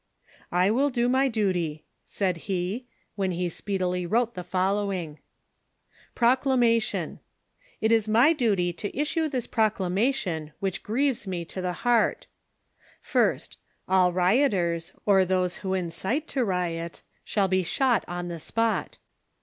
"I will do my duty," said he, when he speedily wrote the following : Proclamatiox. It is my duty to issue this Proclamation, which grieves me to the heart : First — All rioters, or those who incite to riot, shall be shot on the spot.